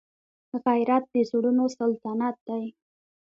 غیرت د زړونو سلطنت دی